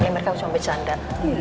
mereka cuma bercanda